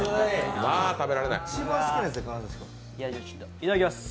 いただきます！